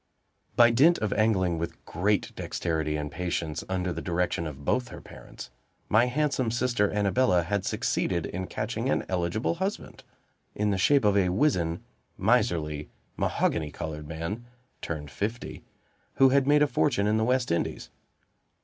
By dint of angling with great dexterity and patience, under the direction of both her parents, my handsome sister Annabella had succeeded in catching an eligible husband, in the shape of a wizen, miserly, mahogany colored man, turned fifty, who had made a fortune in the West Indies.